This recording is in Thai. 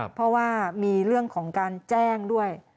เพราะว่ามีเรื่องของการแจ้งด้วย